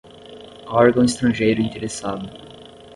órgão estrangeiro interessado